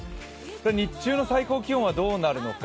日中の最高気温はどうなるのか。